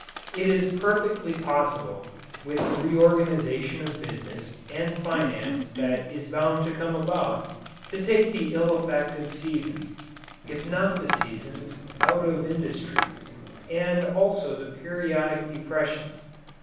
It is perfectly possible, with the reorganization of business and finance that is bound to come about, to take the ill effect of seasons, if not the seasons, out of industry, and also the periodic depressions.